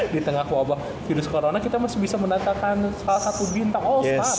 di tengah wabah virus corona kita masih bisa menatakan salah satu bintang all star